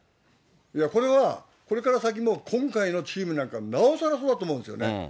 これは、これから先も今回のチームなんか、なおさらそうだと思うんですよね。